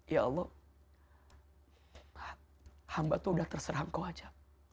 ya allah hamba tuh udah terserah engkau aja